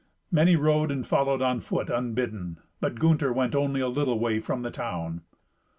Many rode and followed on foot unbidden, but Gunther went only a little way from the town.